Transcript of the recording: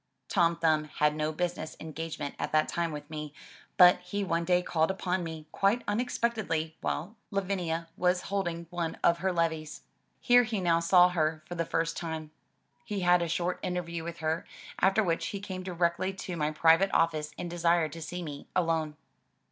Tom Thumb had no business engagement at that time with me, but he one day called upon me quite unexpectedly while Lavinia was holding one of her levees. Here he now saw her for the first time. He had a short interview with her, after which he came directly to my private office and desired to see me alone.